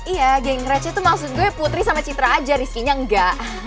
iya geng receh tuh maksud gue putri sama citra aja rizky nya engga